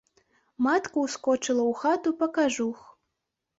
Матка ўскочыла ў хату па кажух.